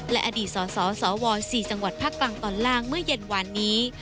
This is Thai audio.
และอดีตสสว๔จังหวัดภาคกลางตอนล่างเมื่อเย็นวานนี้